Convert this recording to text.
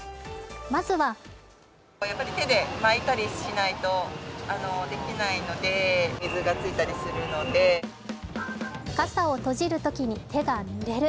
まずは傘を閉じるときに手がぬれる。